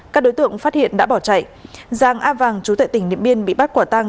các đối tượng phát hiện đã bỏ chạy giang á vàng chú tệ tỉnh niệm biên bị bắt quả tăng